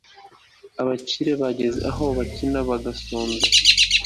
abakire bageza aho bakena bagasonza